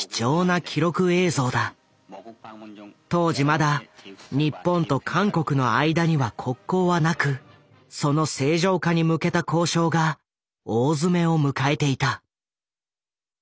当時まだ日本と韓国の間には国交はなくその正常化に向けた交渉が大詰めを迎えていた。